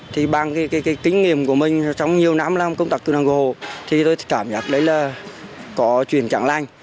thì bằng cái kinh nghiệm của mình trong nhiều năm làm công tác cứu nạn cứu hộ thì tôi cảm nhận đấy là có chuyện chẳng lành